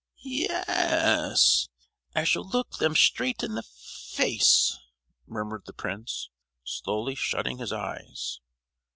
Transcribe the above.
"Ye—yes; I shall look them straight in the f—ace!" murmured the prince, slowly shutting his eyes.